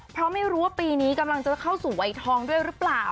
เพราะไม่รู้ว่าปีนี้กำลังจะเข้าสู่วัยทองด้วยหรือเปล่า